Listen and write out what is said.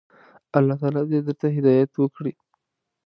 الله تعالی دي درته هدايت وکړي.